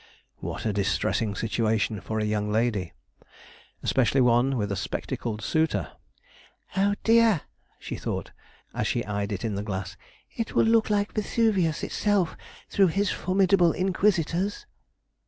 What a distressing situation for a young lady, especially one with a spectacled suitor. 'Oh, dear!' she thought, as she eyed it in the glass, 'it will look like Vesuvius itself through his formidable inquisitors.'